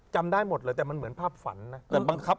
จำได้หมดเลยแต่มันเหมือนภาพฝันนะ